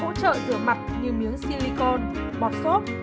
giúp trợ rửa mặt như miếng silicone bọt xốp